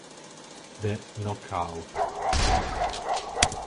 The Knockout